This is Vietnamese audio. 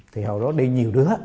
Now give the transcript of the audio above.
thì hồi đó đi nhiều đứa